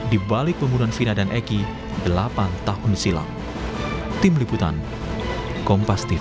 dibalik pembunuhan vina dan eki delapan tahun silam tim liputan kompas tv